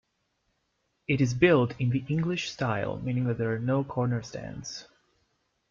It is built in the "English style", meaning that there are no corner stands.